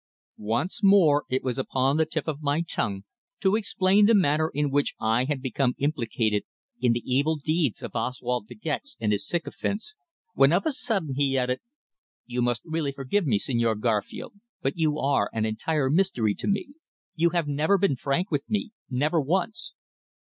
Once more it was upon the tip of my tongue to explain the manner in which I had become implicated in the evil deeds of Oswald De Gex and his sycophants, when of a sudden he added: "You must really forgive me, Señor Garfield, but you are an entire mystery to me. You have never been frank with me never once!"